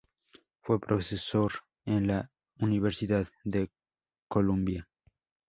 Fue profesor en la Universidad de Columbia.